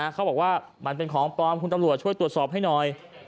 เขาบอกว่ามันเป็นของปลอมคุณตำรวจช่วยตรวจสอบให้หน่อย